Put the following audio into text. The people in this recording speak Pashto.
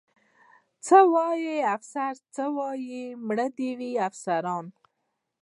څه وایي؟ افسر څه وایي؟ مړه دې وي افسران.